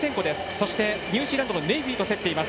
そして、ニュージーランドのネイフィと競っています。